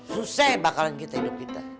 susah ya bakalan kita hidup kita